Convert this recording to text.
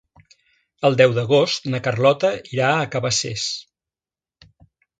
El deu d'agost na Carlota irà a Cabacés.